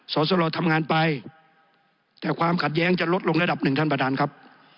สรทำงานไปแต่ความขัดแย้งจะลดลงระดับหนึ่งท่านประธานครับ